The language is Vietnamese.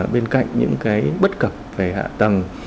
bên cạnh những cái bất cập về hạ tầng